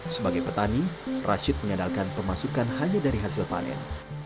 sebagai petani rashid mengandalkan pemasukan hanya dari hasil panen